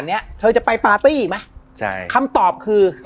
อ๋อเราเลยจะไปปัตติต่ออย่างนี้มาเคยไหมคำตอบคือ